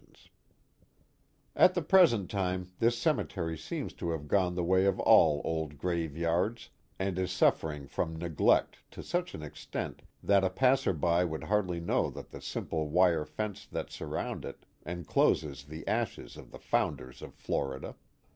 Canajoharie — The Hills of Florida 405 At the present time this cemetery seems to have gone the way of all old graveyards, and is suffering from neglect to such an extent that a passer by would hardly know that the simple wire fence that surrounds it encloses the ashes of the founders of Florida.